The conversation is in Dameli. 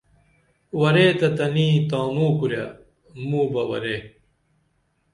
ورے تہ تنی تانوں کُرے موں بہ ورے